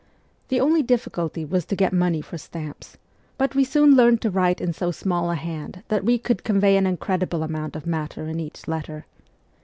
The only difficulty w r as to get money for stamps ; but we soon learned to write in so small a hand that we could convey an incredible amount of matter in each letter.